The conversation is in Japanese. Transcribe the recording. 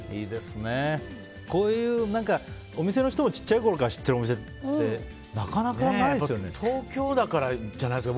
こういうお店の人も小さいころから知ってるお店ってなかなかないですよね。